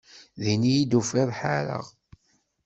Din iyi-d tufiḍ ḥareɣ.